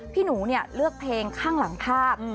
พี่หนูเลือกเพลงข้างหลังภาพ